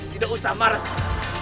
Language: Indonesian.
tidak usah marah sekali